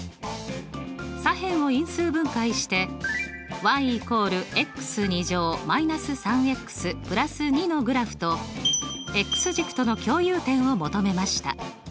左辺を因数分解して。のグラフと軸との共有点を求めました。